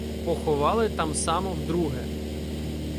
Поховали там само вдруге.